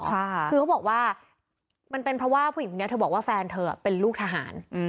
คือเขาบอกว่ามันเป็นเพราะว่าผู้หญิงคนนี้เธอบอกว่าแฟนเธอเป็นลูกทหาร